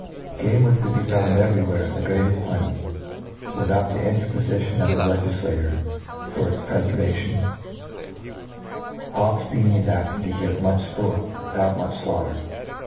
Game was to be found every where ia the grcateft plenty, without the interpofitioiji of the legiilature for its prefervation — hawks be » ixig adapted to give much Iport without much {laughter.